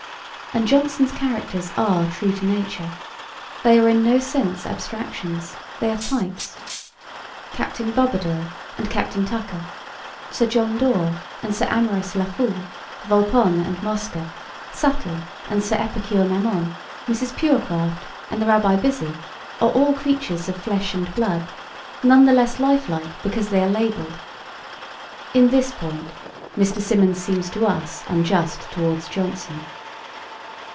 And Jonson's characters are true to nature. They are in no sense abstractions; they are types. Captain Bobadil and Captain Tucca, Sir John Daw and Sir Amorous La Foole, Volpone and Mosca, Subtle and Sir Epicure Mammon, Mrs. Purecraft and the Rabbi Busy are all creatures of flesh and blood, none the less lifelike because they are labelled. In this point Mr. Symonds seems to us unjust towards Jonson.